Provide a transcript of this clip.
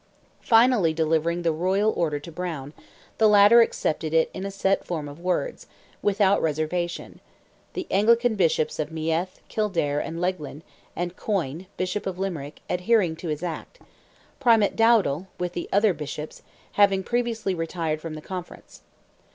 Finally delivering the royal order to Browne, the latter accepted it in a set form of words, without reservation; the Anglican Bishops of Meath, Kildare, and Leighlin, and Coyne, Bishop of Limerick, adhering to his act; Primate Dowdal, with the other Bishops, having previously retired from the Conference.